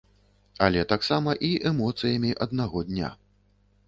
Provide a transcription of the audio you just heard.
Але таксама і эмоцыямі аднаго дня.